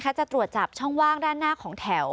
เก้าอี้เหล่านี้จะตรวจจับช่องว่างด้านหน้าของแถว